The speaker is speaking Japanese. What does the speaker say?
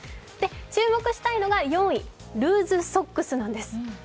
注目したいのが４位、ルーズソックスなんです。